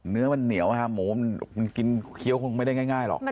เนื้อมันเหนียวนะครับหมูมันกินเคี้ยวคงไม่ได้ง่ายหรอก